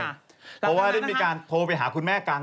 เพราะว่าเรื่องนี้มีการโทรไปหาคุณแม่กัง